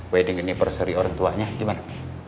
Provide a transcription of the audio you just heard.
wedding anniversary orang tuanya gimana